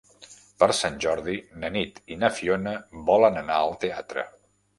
Per Sant Jordi na Nit i na Fiona volen anar al teatre.